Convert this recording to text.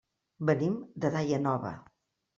Venim de Daia Nova.